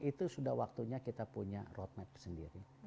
itu sudah waktunya kita punya road map sendiri